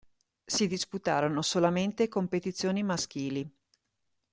Si disputarono solamente competizioni maschili.